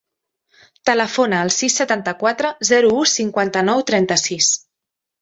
Telefona al sis, setanta-quatre, zero, u, cinquanta-nou, trenta-sis.